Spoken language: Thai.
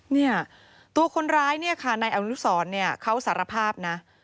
เนี่ยตัวคนร้ายในอนุสรเขาสารภาพนะ